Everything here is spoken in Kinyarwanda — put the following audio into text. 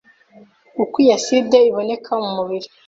uko iyi aside iboneka mu mubiri,